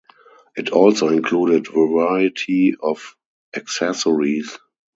It also included variety of accessories.